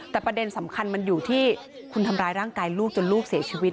แต่ประเด็นสำคัญมันอยู่ที่คุณทำร้ายร่างกายลูกจนลูกเสียชีวิต